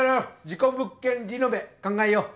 事故物件リノベ考えよう。